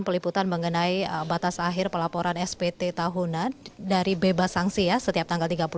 peliputan mengenai batas akhir pelaporan spt tahunan dari bebas sangsi ya setiap tanggal